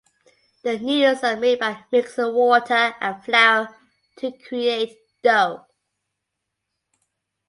The noodles are made by mixing water and flour to create dough.